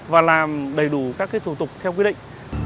và làm đầy đủ các cái thủ tục theo quyết định